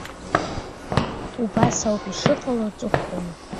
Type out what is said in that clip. Убас ауп ишыҟало аҵыхәтәаны.